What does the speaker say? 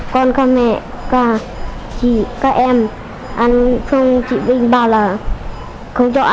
con ca mẹ ca chị ca em ăn xong chị binh bảo là không cho ăn ăn là mồm an hết đấy